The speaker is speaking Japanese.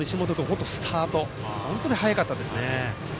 本当にスタートが早かったですね。